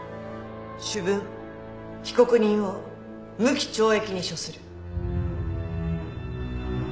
主文被告人を無期懲役に処するどうぞ。